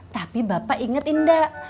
tapi bapak inget indah